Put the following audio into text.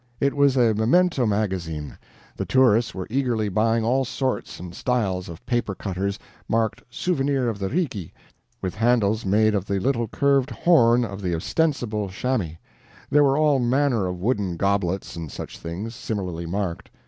It was a memento magazine. The tourists were eagerly buying all sorts and styles of paper cutters, marked "Souvenir of the Rigi," with handles made of the little curved horn of the ostensible chamois; there were all manner of wooden goblets and such things, similarly marked.